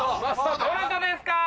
どなたですか？